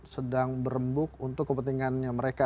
sedang berembuk untuk kepentingannya mereka